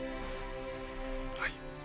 はい。